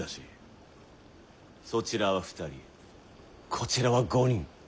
そちらは２人こちらは５人。